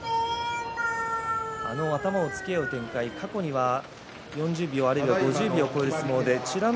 頭をつけ合う展開過去は４０秒、あるいは５０秒を超える相撲美ノ